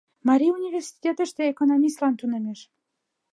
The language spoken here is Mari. — Марий университетыште экономистлан тунемеш.